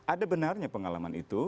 ada benarnya pengalaman itu